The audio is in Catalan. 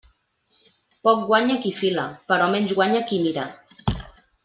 Poc guanya qui fila, però menys guanya qui mira.